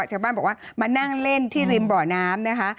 ชาวบ้านบอกว่ามานั่งเล่นที่ริมบ่อน้ำนะคะ